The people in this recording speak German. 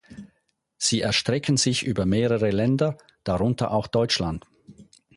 Sie erstrecken sich über mehrere Länder, darunter auch Deutschland.